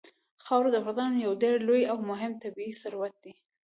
خاوره د افغانستان یو ډېر لوی او مهم طبعي ثروت دی.